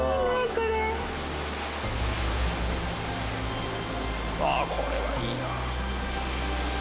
これあっこれはいいなあ